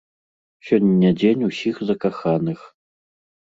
Сёння дзень усіх закаханых.